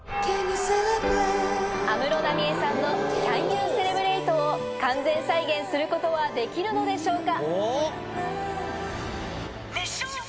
安室奈美恵さんのＣＡＮＹＯＵＣＥＬＥＢＲＡＴＥ？を完全再現することはできるのでしょうか。